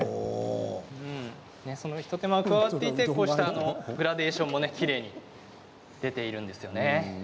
その一手間が加わっていてこうしたグラデーションもきれいに出ているんですよね。